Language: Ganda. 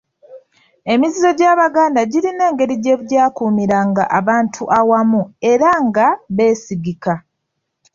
Emizizo gy'Abaganda girina engeri gye gyakuumiranga abantu awamu era nga beesigika.